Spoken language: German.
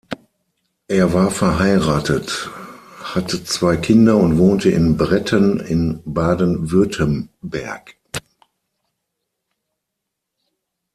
Er war verheiratet, hatte zwei Kinder und wohnte in Bretten in Baden-Württemberg.